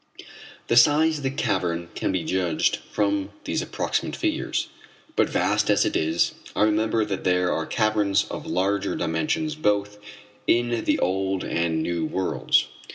The size of the cavern can be judged from these approximate figures. But vast as it is, I remember that there are caverns of larger dimensions both in the old and new worlds.